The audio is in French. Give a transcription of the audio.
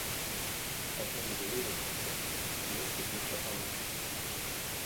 Un frappeur désigné ne peut être utilisé que deux fois par match.